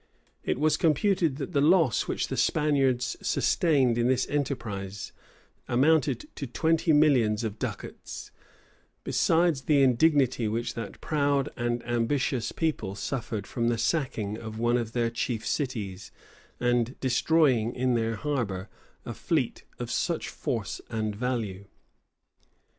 It was computed, that the loss which the Spaniards sustained in this enterprise amounted to twenty millions of ducats;[*] besides the indignity which that proud and ambitious people suffered from the sacking of one of their chief cities, and destroying in their harbor a fleet of such force and value.